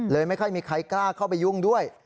ไม่ค่อยมีใครกล้าเข้าไปยุ่งด้วย